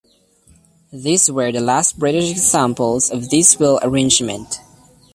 These were the last British examples of this wheel arrangement.